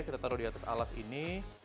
kita taruh di atas alas ini